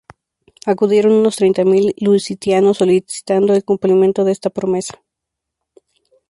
Acudieron unos treinta mil lusitanos solicitando el cumplimiento de esta promesa.